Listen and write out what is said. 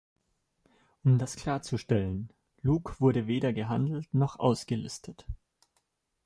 Um das klarzustellen: Luke wurde weder gehandelt noch ausgelistet.